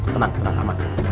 tenang tenang aman